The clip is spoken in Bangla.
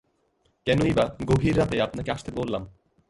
কেনই-বা গভীর রাতে আপনাকে আসতে বললাম?